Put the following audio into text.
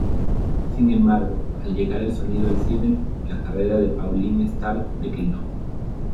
Sin embargo, al llegar el sonido al cine, la carrera de Pauline Starke declinó.